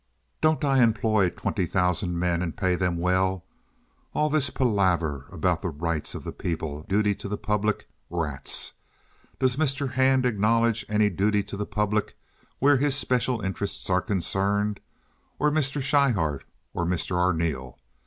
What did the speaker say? Don't I employ twenty thousand men and pay them well? All this palaver about the rights of the people and the duty to the public—rats! Does Mr. Hand acknowledge any duty to the public where his special interests are concerned? Or Mr. Schryhart? Or Mr. Arneel?